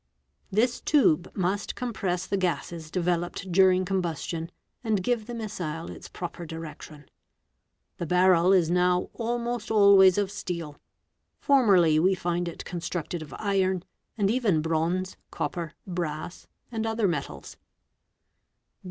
This tube must compres the gases developed during combustion, and give the missile its prope direction. The barrel is now almost always of steel, formerly we find" constructed of iron, and even bronze, copper, brass and other metals.